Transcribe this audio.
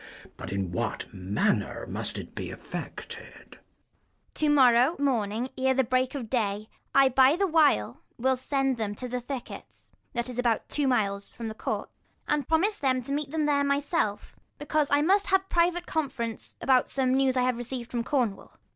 But in what manner must it be effected ? Ragan. Tomorrow morning ere the break of day, I by a wile will send them to the thicket, That is about some two miles from the court, 40 And promise them to meet them there myself, Because I must have private conference, About some news I have receiv'd from Cornwall.